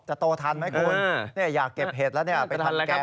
จะโตทันไหมคุณอยากเก็บเห็ดแล้วเนี่ยไปทำแกงนะครับ